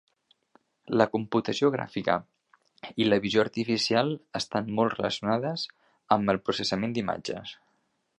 La computació gràfica i la visió artificial estan molt relacionades amb el processament d'imatges.